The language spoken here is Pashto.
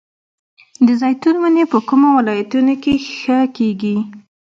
د زیتون ونې په کومو ولایتونو کې ښه کیږي؟